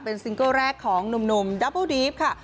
เป็นซิงเกิลแรกของหนุ่มดับโบดีฟค่ะ